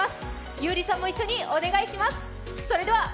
優里さんも一緒にお願いします！